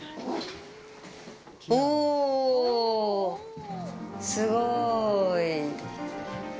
お、すごい。